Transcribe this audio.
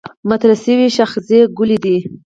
مطرح شوې شاخصې کُلي دي.